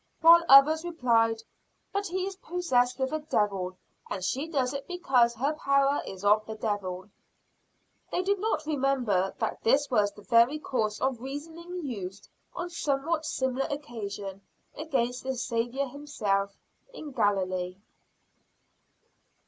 While others replied, "But he is possessed with a devil; and she does it because her power is of the devil." They did not remember that this was the very course of reasoning used on a somewhat similar occasion against the Savior himself in Galilee!